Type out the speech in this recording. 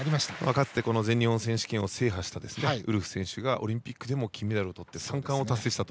かつてこの全日本選手権を制覇したウルフ選手がオリンピックでも金メダルをとり３冠を達成したと。